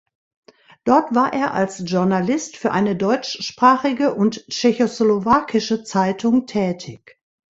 Dort war er als Journalist für eine deutschsprachige und tschechoslowakische Zeitung tätig.